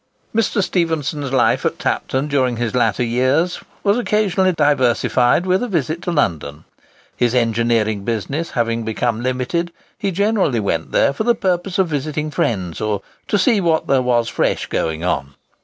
Mr. Stephenson's life at Tapton during his latter years was occasionally diversified with a visit to London. His engineering business having become limited, he generally went there for the purpose of visiting friends, or "to see what there was fresh going on."